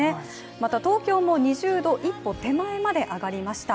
また東京も２０度一歩手前まで上がりました。